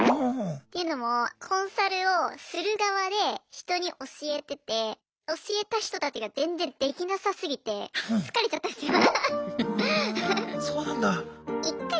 というのもコンサルをする側で人に教えてて教えた人たちが全然できなさすぎて疲れちゃったんですよ。